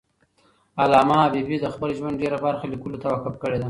علامه حبیبي د خپل ژوند ډېره برخه لیکلو ته وقف کړی ده.